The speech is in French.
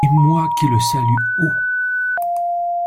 Et moi qui le salue haut.